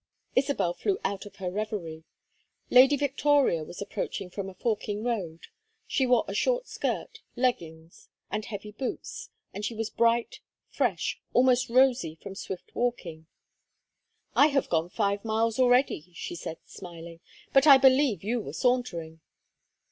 Isabel flew out of her reverie. Lady Victoria was approaching from a forking road. She wore a short skirt, leggings, and heavy boots; and she was bright, fresh, almost rosy from swift walking. "I have gone five miles already," she said, smiling. "But I believe you were sauntering."